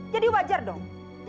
jadi wajar dong